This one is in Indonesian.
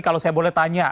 kalau saya boleh tanya